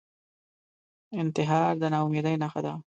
انتحار د ناامیدۍ نښه ده